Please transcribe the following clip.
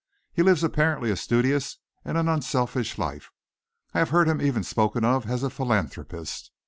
He lives apparently a studious and an unselfish life. I have heard him even spoken of as a philanthropist.